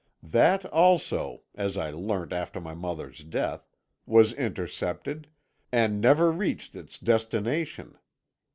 That also, as I learnt after my mother's death, was intercepted, and never reached its destination.